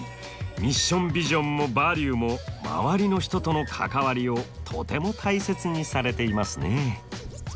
ミッションビジョンもバリューも周りの人との関わりをとても大切にされていますね。